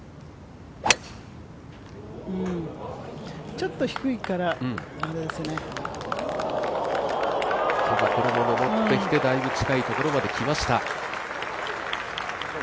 ちょっと低いからこれも上ってきてだいぶ近いところに来ました。